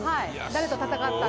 “誰と戦った”